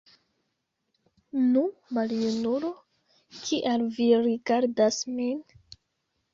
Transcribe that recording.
Nu, maljunulo, kial vi rigardas min?